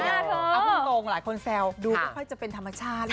เอาพูดตรงหลายคนแซวดูไม่ค่อยจะเป็นธรรมชาติ